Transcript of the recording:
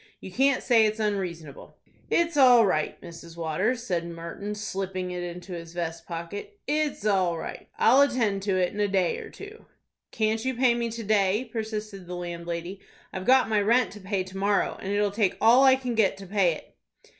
You can't say it's unreasonable." "It's all right, Mrs. Waters," said Martin, slipping it into his vest pocket. "It's all right. I'll attend to it in a day or two." "Can't you pay me to day?" persisted the landlady. "I've got my rent to pay to morrow, and it'll take all I can get to pay it."